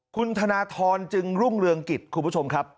คุณธนทรจึงรุ่งเรืองกิจคุณผู้ชมครับ